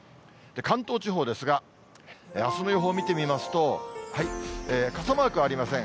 関東地方ですが、あすの予報見てみますと、傘マークありません。